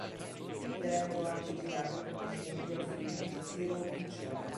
Qui vennero anche girate alcune scene del film Tiro al piccione.